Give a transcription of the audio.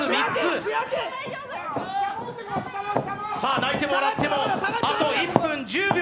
泣いても笑ってもあと１分１０秒。